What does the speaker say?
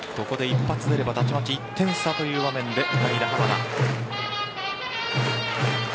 ここで一発出ればたちまち１点差という場面で代打、濱田。